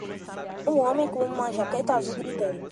Um homem com uma jaqueta azul gritando.